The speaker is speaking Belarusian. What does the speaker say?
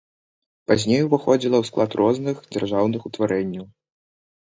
Пазней уваходзіла ў склад розных дзяржаўных утварэнняў.